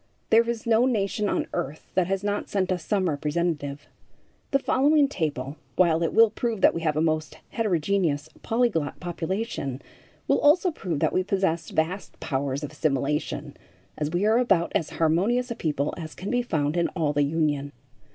There is no nation on earth that has not sent us some representative. The following table, while it will prove that we have a most heterogeneous, polyglot population, will also prove that we possess vast powers of assimilation, as we are about as harmonious a people as can be found in all the Union.